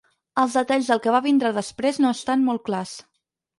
Els detalls del que va vindre després no estan molt clars.